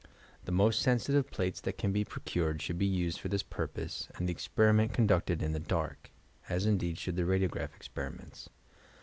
The most sensitive plates that can be procured should be used for this purpose and the experiments conducted in the dark, (as indeed should the Radiograph experi ments).